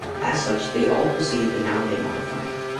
As such, they all precede the noun they modify.